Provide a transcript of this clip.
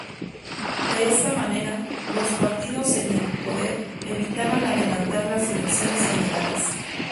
De esta manera los partidos en el poder evitaban adelantar las elecciones generales.